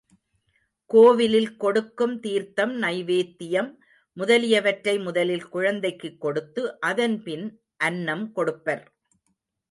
கோவிலில் கொடுக்கும் தீர்த்தம் நைவேத்யம் முதலியவற்றை முதலில் குழந்தைக்குக் கொடுத்து, அதன்பின் அன்னம் கொடுப்பர்.